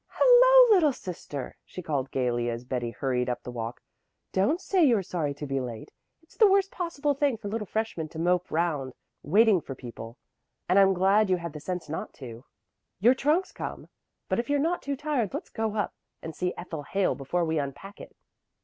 "Hello, little sister," she called gaily as Betty hurried up the walk. "Don't say you're sorry to be late. It's the worst possible thing for little freshmen to mope round waiting for people, and I'm glad you had the sense not to. Your trunk's come, but if you're not too tired let's go up and see Ethel Hale before we unpack it."